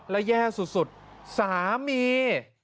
และแย่สุดสามี